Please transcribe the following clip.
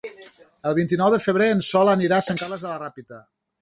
El vint-i-nou de febrer en Sol anirà a Sant Carles de la Ràpita.